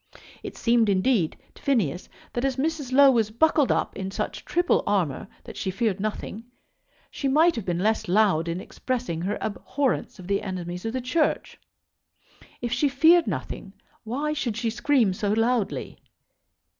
It seemed, indeed, to Phineas that as Mrs. Low was buckled up in such triple armour that she feared nothing, she might have been less loud in expressing her abhorrence of the enemies of the Church. If she feared nothing, why should she scream so loudly?